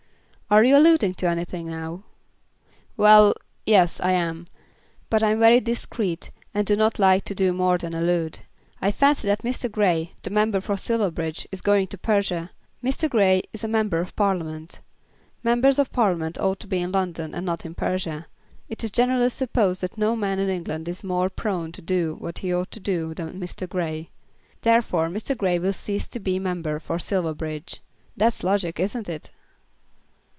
"Are you alluding to anything now?" "Well; yes, I am. But I'm very discreet, and do not like to do more than allude. I fancy that Mr. Grey, the member for Silverbridge, is going to Persia. Mr. Grey is a Member of Parliament. Members of Parliament ought to be in London and not in Persia. It is generally supposed that no man in England is more prone to do what he ought to do than Mr. Grey. Therefore, Mr. Grey will cease to be Member for Silverbridge. That's logic; isn't it?"